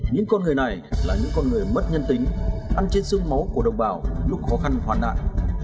những con người này là những con người mất nhân tính ăn trên xương máu của đồng bào lúc khó khăn hoàn nạn